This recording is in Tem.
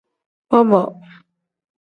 Bob-bob.